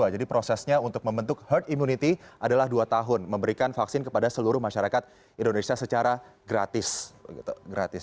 jadi prosesnya untuk membentuk herd immunity adalah dua tahun memberikan vaksin kepada seluruh masyarakat indonesia secara gratis